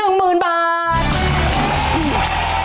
เขาเขา